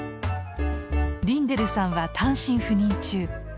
リンデルさんは単身赴任中。